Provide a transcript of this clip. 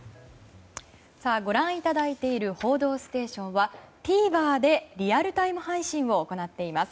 ご覧いただいている「報道ステーション」はＴＶｅｒでリアルタイム配信を行っています。